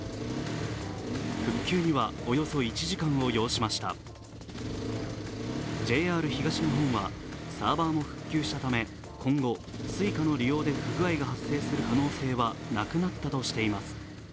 復旧にはおよそ１時間を要しましたＪＲ東日本は、サーバーも復旧したため、今後、Ｓｕｉｃａの利用で不具合が発生する可能性はなくなったとしています。